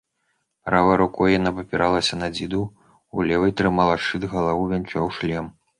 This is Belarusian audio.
Правай рукой яна абапіралася на дзіду, у левай трымала шчыт, галаву вянчаў шлем.